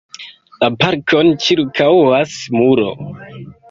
La parkon ĉirkaŭas muro.